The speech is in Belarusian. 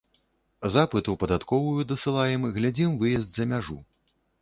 Запыт у падатковую дасылаем, глядзім выезд за мяжу.